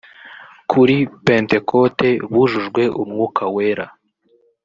kuri pentekote bujujwe umwuka wera